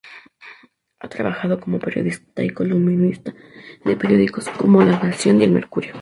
Ha trabajado como periodista y columnista de periódicos como "La Nación" y "El Mercurio".